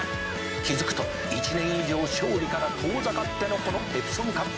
「気付くと１年以上勝利から遠ざかってのこのエプソムカップであります」